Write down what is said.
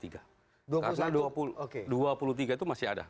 karena dua puluh tiga itu masih ada